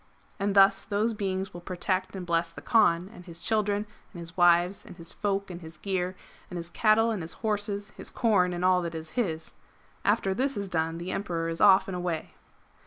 And thus those beings will protect and bless the Kaan and his children and his wives and his folk and his gear, and his cattle and his horses, his corn and all that is his. After this is done, the Emperor is off and away.''